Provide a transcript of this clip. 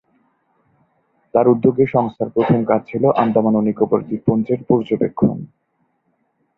তাঁর উদ্যোগে সংস্থার প্রথম কাজ ছিল আন্দামান ও নিকোবর দ্বীপপুঞ্জের পর্যবেক্ষণ।